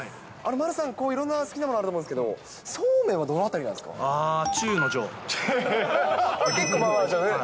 丸さん、いろんな好きなものあると思うんですけど、そうめんはどのあたりあー、結構まあまあ上。